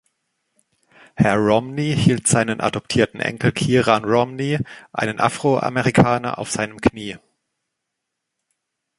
Herr Romney hielt seinen adoptierten Enkel Kieran Romney, einen Afroamerikaner, auf seinem Knie.